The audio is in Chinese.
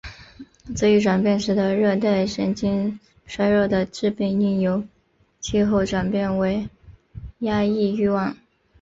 此一转变使得热带神经衰弱的致病因由气候转变为压抑欲望。